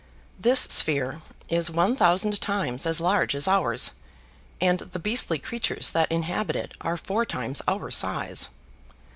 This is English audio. This sphere is one thousand times as large as ours, and the beastly creatures that inhabit it are four times our size.